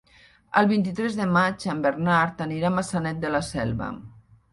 El vint-i-tres de maig en Bernat anirà a Maçanet de la Selva.